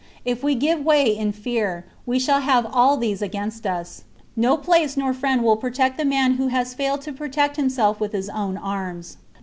If we give way in fear, we shall have all these against us. No place nor friend will protect the man who has failed to protect himself with his own arms.